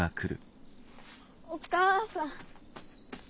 お母さん。